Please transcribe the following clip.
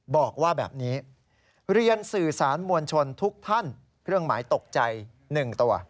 บอกว่าแบบนี้เรียนสื่อสารมวลชนทุกท่านเครื่องหมายตกใจ๑ตัว